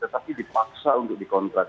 tetapi dipaksa untuk dikontrak